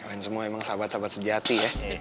kalian semua emang sahabat sahabat sejati ya